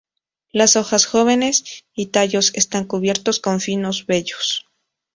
Las hojas jóvenes y tallos están cubiertos con finos vellos.